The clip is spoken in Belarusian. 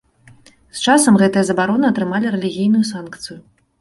З часам гэтыя забароны атрымалі рэлігійную санкцыю.